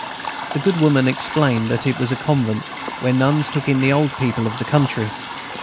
The good woman explained that it was a convent, where nuns took in the old people of the country.